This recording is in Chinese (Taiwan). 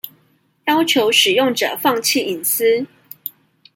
要求使用者放棄隱私